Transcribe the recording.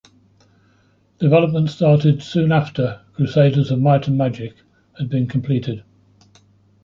Development started soon after "Crusaders of Might and Magic" had been completed.